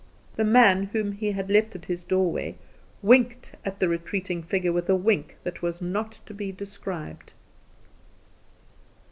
The man whom he had left at his doorway winked at the retreating figure with a wink that was not to be described.